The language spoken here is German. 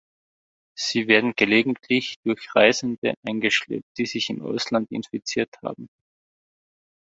Sie werden gelegentlich durch Reisende eingeschleppt, die sich im Ausland infiziert haben.